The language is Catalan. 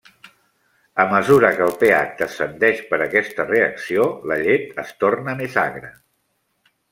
A mesura que el pH descendeix per aquesta reacció, la llet es torna més agra.